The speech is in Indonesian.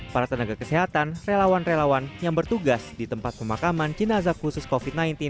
para tenaga kesehatan relawan relawan yang bertugas di tempat pemakaman jenazah khusus covid sembilan belas